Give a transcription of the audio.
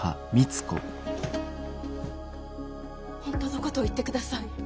本当のことを言ってください。